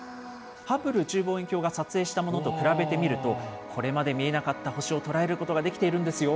ハッブル宇宙望遠鏡が撮影したものと比べてみると、これまで見えなかった星を捉えることができているんですよ。